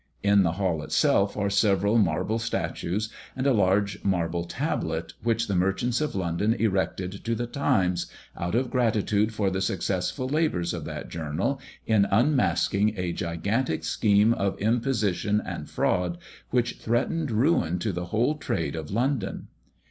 In the hall itself are several marble statues and a large marble tablet, which the merchants of London erected to the Times, out of gratitude for the successful labours of that journal in unmasking a gigantic scheme of imposition and fraud, which threatened ruin to the whole trade of London.